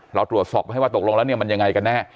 เราตรวจสอบให้ว่าตกลงแล้วเนี่ยมันยังไงกันแน่